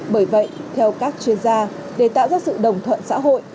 bởi vậy theo các chuyên gia để tạo ra sự đồng thuận xã hội